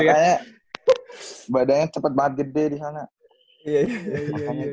makanya badannya cepet banget gede di sana